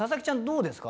どうですか？